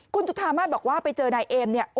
คุณจุธามาตรบอกว่าไปเจอนายเอม